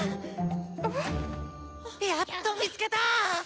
やっと見つけたー！